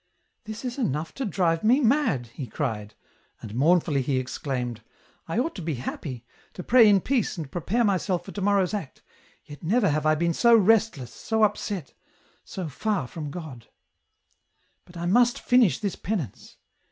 " This is enough to drive me mad," he cried — and mourn fully he exclaimed, " I ought to be happy, to pray in EN ROUTE. 205 peace and prepare myself for tomorrow's act, yet nevei have I been so restless, so upset, so far from God !" But I must finish this penance